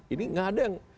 ini nggak ada yang